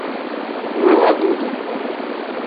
Morro Agudo